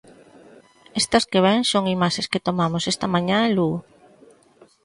Estas que ven son imaxes que tomamos esta mañá en Lugo.